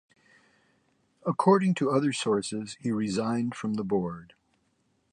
According to other sources he resigned from the board.